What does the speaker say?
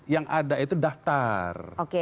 yang ada itu daftar